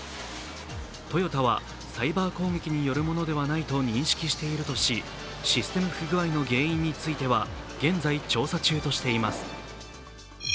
トヨタはサイバー攻撃によるものではないと認識しているとしシステム不具合の原因については現在、調査中としています。